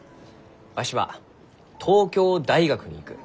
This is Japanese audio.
わしは東京大学に行く。